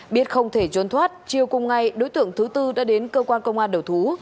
biết không thể trốn thoát chiều cùng ngày đối tượng thứ tư đã đến cơ quan công an đầu thú